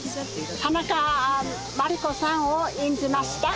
田中茉莉子さんを演じました。